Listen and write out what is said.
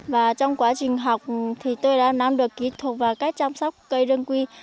và trong quá trình học thì tôi đã làm được kỹ thuật và cách chăm sóc cây đơn quy